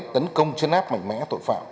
tấn công chấn áp mạnh mẽ tội phạm